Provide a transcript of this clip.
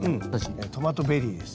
トマトベリーです。